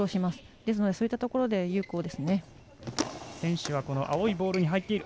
ですので、そういったところで有効ですね。